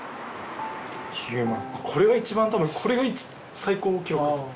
これが一番これが最高記録ですね。